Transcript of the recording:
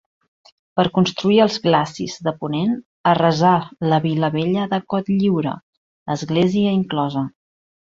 Per construir els glacis de ponent, arrasà la Vila vella de Cotlliure, església inclosa.